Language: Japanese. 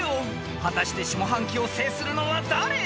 ［果たして下半期を制するのは誰だ！？］